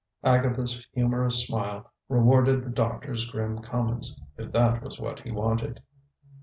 Agatha's humorous smile rewarded the doctor's grim comments, if that was what he wanted.